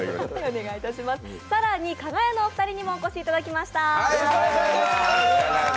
更にかが屋のお二人にもお越しいただきました。